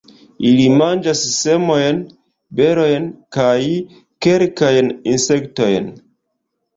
Ili manĝas semojn, berojn kaj kelkajn insektojn.